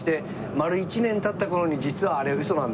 丸１年経った頃に「実はあれウソなんだ」